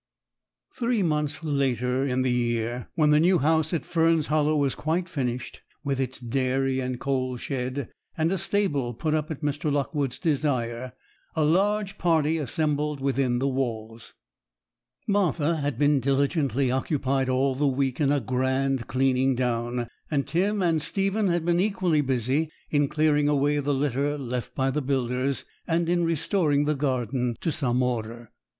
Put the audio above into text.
Three months later in the year, when the new house at Fern's Hollow was quite finished, with its dairy and coal shed, and a stable put up at Mr. Lockwood's desire, a large party assembled within the walls. Martha had been diligently occupied all the week in a grand cleaning down; and Tim and Stephen had been equally busy in clearing away the litter left by the builders, and in restoring the garden to some order.